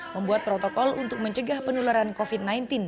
membuat protokol untuk mencegah penularan covid sembilan belas